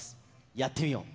やってみよう！